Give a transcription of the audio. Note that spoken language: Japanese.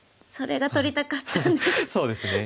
それが取りたかったんです。